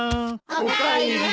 おかえり。